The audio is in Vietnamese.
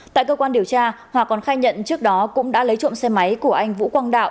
tại cơ quan điều tra hòa còn khai nhận trước đó cũng đã lấy trộm xe máy của anh vũ quang đạo